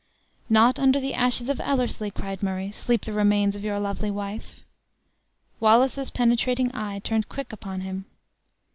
"Not under the ashes of Ellerslie," cried Murray, "sleep the remains of your lovely wife." Wallace's penetrating eye turned quick upon him.